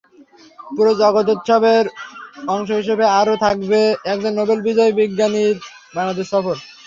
পুরো জয়োৎসবের অংশ হিসেবে আরও থাকবে একজন নোবেল বিজয়ী বিজ্ঞানীর বাংলাদেশ সফর।